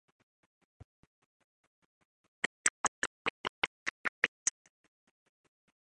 This causes the wavelength to decrease.